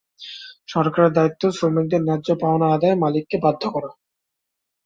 সরকারের দায়িত্ব শ্রমিকদের ন্যায্য পাওনা আদায়ে মালিককে বাধ্য করা।